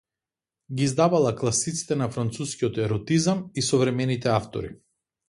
Ги издавала класиците на францускиот еротизам и современите автори.